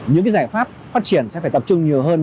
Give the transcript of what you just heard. những giải pháp phát triển sẽ phải tập trung nhiều hơn